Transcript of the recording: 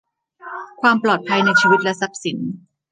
ความปลอดภัยในชีวิตและทรัพย์สิน